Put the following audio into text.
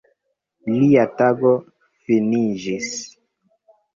Lia tago finiĝis.